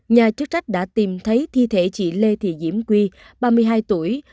nhà chức trách đã tìm thấy thi thể chị lê thị diễm quy ba mươi hai tuổi